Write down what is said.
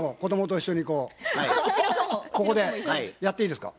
ここでやっていいですか？